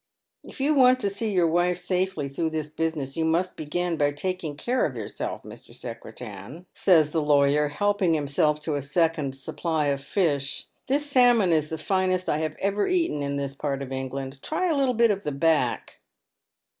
If you want to see your wife safely through this business you must begin by taking care of yourself. Mr. Secretan," says the lawyer, helping himself to a second supply of fish. " This salmon is the finest I have ever eaten in this part of England. Tiy a little bit of tlie back."